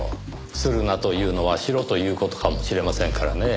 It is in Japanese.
「するな」というのは「しろ」という事かもしれませんからねぇ。